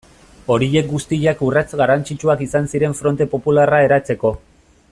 Horiek guztiak urrats garrantzitsuak izan ziren Fronte Popularra eratzeko.